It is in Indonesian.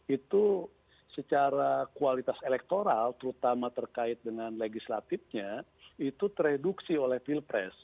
itu secara kualitas elektoral terutama terkait dengan legislatifnya itu tereduksi oleh pilpres